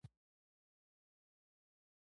که پانګوال د ورځني کار وخت زیات کړي